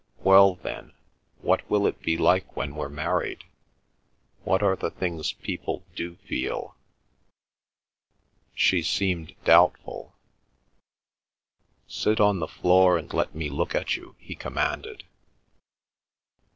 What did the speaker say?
"Well, then, what will it be like when we're married? What are the things people do feel?" She seemed doubtful. "Sit on the floor and let me look at you," he commanded.